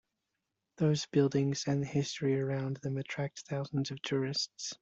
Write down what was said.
Those buildings and the history around them attract thousands of tourists.